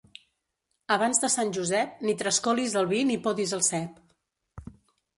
Abans de Sant Josep ni trascolis el vi ni podis el cep.